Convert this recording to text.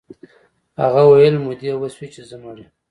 هغه ویل مودې وشوې چې زه مړ یم